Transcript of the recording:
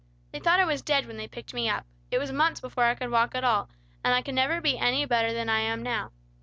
"They thought I was dead when they picked me up. It was months before I could walk at all; and I can never be any better than I am now.